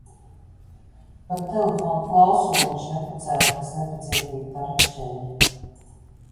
Pat telefona klausuli viņš nepacēla, kas nepacietīgi tarkšķēja.